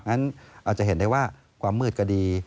อาจจะเห็นได้ว่าความมืดก็ดี